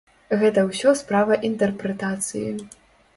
Гэта ўсё справа інтэрпрэтацыі.